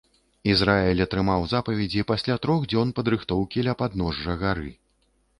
Ізраіль атрымаў запаведзі пасля трох дзён падрыхтоўкі ля падножжа гары.